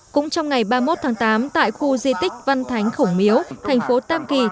cũng trong ngày ba mươi một tháng tám tại khu di tích văn thánh khổng miếu thành phố tam kỳ